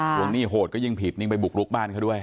ตรงนี้โหดก็ยิ่งผิดไปบุกรุกบ้านเขาด้วย